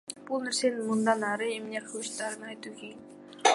Бул нерсени мындан ары эмне кылышаарын айтуу кыйын.